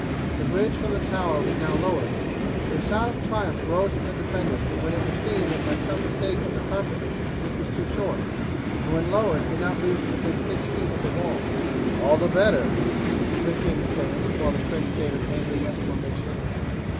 The bridge from the tower was now lowered; but a shout of triumph rose from the defenders when it was seen that by some mistake of the carpenters this was too short, and when lowered did not reach within six feet of the wall. "All the better," the king said, while the prince gave an angry exclamation.